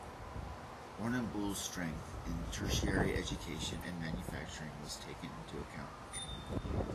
Warrnambool's strength in tertiary education and manufacturing was taken into account.